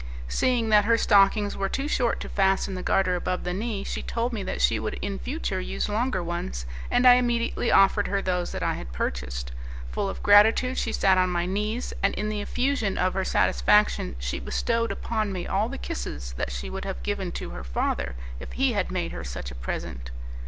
Seeing that her stockings were too short to fasten the garter above the knee, she told me that she would in future use longer ones, and I immediately offered her those that I had purchased. Full of gratitude she sat on my knees, and in the effusion of her satisfaction she bestowed upon me all the kisses that she would have given to her father if he had made her such a present.